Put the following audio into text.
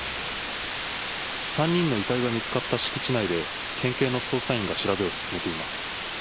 ３人の遺体が見つかった敷地内で、県警の捜査員が調べを進めています。